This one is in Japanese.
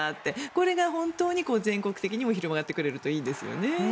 これが本当に全国的にも広がってくれるといいんですよね。